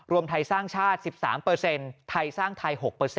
รวมไทยสร้างชาติ๑๓ไทยสร้างไทย๖